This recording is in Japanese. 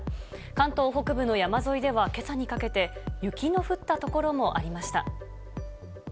関東北部の山沿いではけさにかけて、雪の降った所もありました。